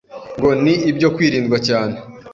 ngo ni ibyo kwirindwa cyane